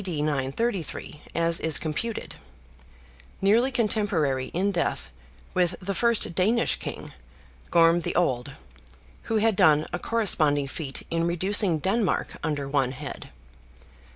933, as is computed; nearly contemporary in death with the first Danish King, Gorm the Old, who had done a corresponding feat in reducing Denmark under one head.